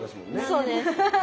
そうです。